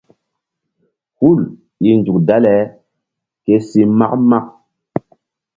Hul i nzuk dale ke si mak mak.